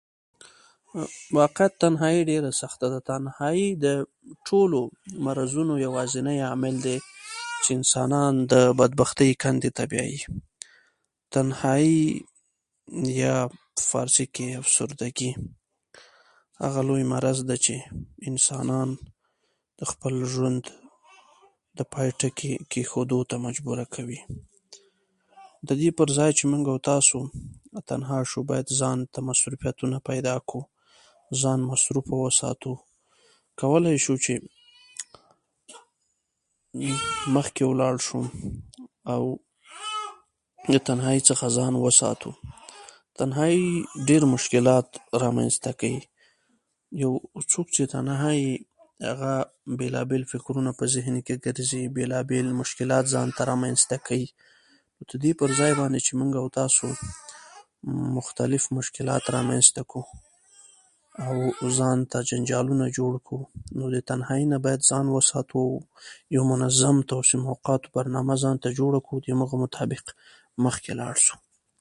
ښوونه او روزنه د انسان په ژوند کې ډير لوی مثبت بدلون راولي